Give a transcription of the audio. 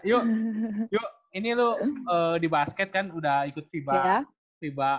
yuk yuk ini loh di basket kan udah ikut fiba